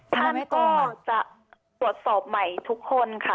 ท่านก็จะตรวจสอบใหม่ทุกคนค่ะ